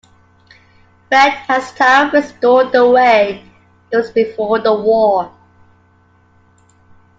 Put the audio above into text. Rhett has Tara restored the way it was before the war.